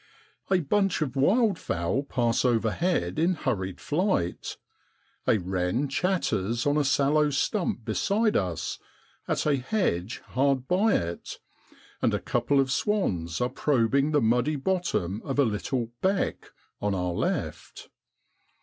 A bunch of wild fowl pass overhead in hurried flight. A wren chatters on a sallow stump beside us, a weasel vanishes in the undergrowth at a hedge hard by it, and a couple of swans are probing the muddy bottom of a little ' beck ' on our left.